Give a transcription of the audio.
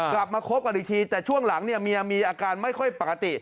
กลับมาคบกันอีกทีแต่ช่วงหลังเนี่ยเมียมีอาการไม่ค่อยปกติ